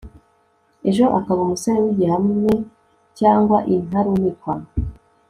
ejo akaba umusore w'igihame cyangwa intarumikwa